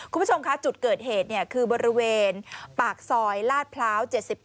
คุณผู้ชมคะจุดเกิดเหตุคือบริเวณปากซอยลาดพร้าว๗๘